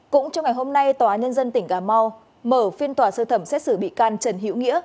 cũng trong ngày hôm nay tòa nhân dân tỉnh cà mau mở phiên tòa sơ thẩm xét xử bị can trần hữu nghĩa